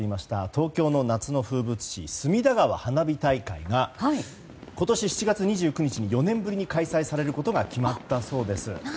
東京の夏の風物詩隅田川花火大会が今年７月２９日に４年ぶりに開催されることが決まったそうです。